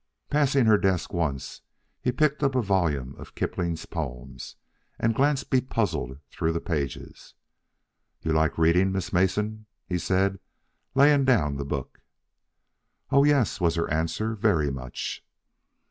Passing her desk, once, he picked up a volume of Kipling's poems and glanced bepuzzled through the pages. "You like reading, Miss Mason?" he said, laying the book down. "Oh, yes," was her answer; "very much."